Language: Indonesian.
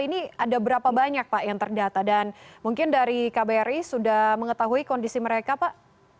ini ada berapa banyak pak yang terdata dan mungkin dari kbri sudah mengetahui kondisi mereka pak